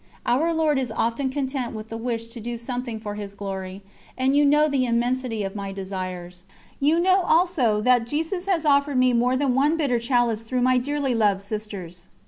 Our Lord is often content with the wish to do something for His Glory, and you know the immensity of my desires. You know also that Jesus has offered me more than one bitter chalice through my dearly loved sisters.